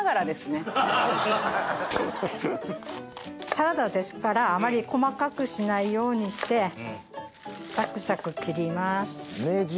サラダですからあまり細かくしないようにしてザクザク切ります。